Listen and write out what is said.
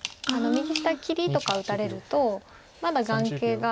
右下切りとか打たれるとまだ眼形が。